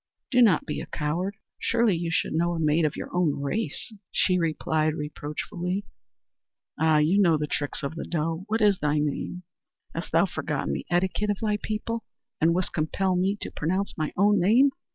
"Do not be a coward! Surely you should know a maid of your own race," she replied reproachfully. "Ah, you know the tricks of the doe! What is thy name?" "Hast thou forgotten the etiquette of thy people, and wouldst compel me to pronounce my own name?